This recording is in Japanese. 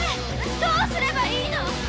どうすればいいの！